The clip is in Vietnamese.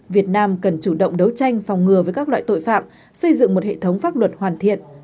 việt nam cần chủ động đấu tranh phòng ngừa với các loại tội phạm xây dựng một hệ thống pháp luật hoàn thiện